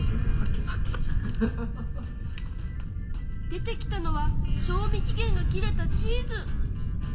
出てきたのは賞味期限が切れたチーズ！